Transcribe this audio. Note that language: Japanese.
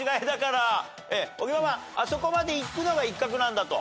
あそこまでいくのが１画なんだと。